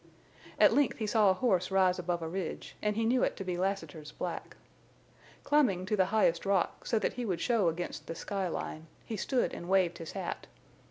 At length he saw a horse rise above a ridge, and he knew it to be Lassiter's black. Climbing to the highest rock, so that he would show against the sky line, he stood and waved his hat.